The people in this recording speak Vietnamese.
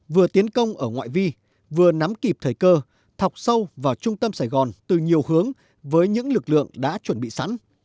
vừa nắm kịp thời cơ thọc sâu vào trung tâm sài gòn từ nhiều hướng với những lực lượng đã chuẩn bị sẵn